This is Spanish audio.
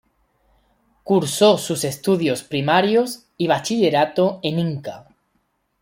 Cursó sus estudios primarios y bachillerato en Inca.